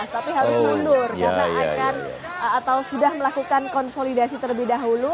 tapi harus mundur karena akan atau sudah melakukan konsolidasi terlebih dahulu